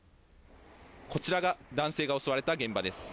こちらが男性が襲われた現場です。